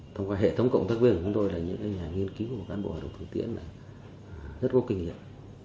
thông qua hệ thống cộng tác viên của chúng tôi là những nhà nghiên cứu một cán bộ hoạt động thực tiễn rất có kinh nghiệm